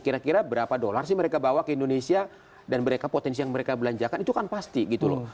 kira kira berapa dolar sih mereka bawa ke indonesia dan mereka potensi yang mereka belanjakan itu kan pasti gitu loh